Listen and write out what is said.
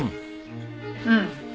うん。